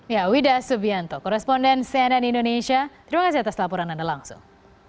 ya wida subianto koresponden cnn indonesia terima kasih atas laporan anda langsung